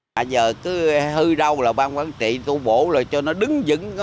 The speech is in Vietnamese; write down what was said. bây giờ cứ hư đâu là ban quán trị thu bổ rồi cho nó đứng dứng